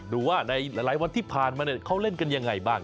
ดูว่าในหลายวันที่ผ่านมาเนี่ยเขาเท่าของเล่นอย่างไรบ้าง